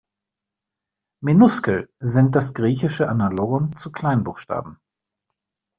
Minuskel sind das griechische Analogon zu Kleinbuchstaben.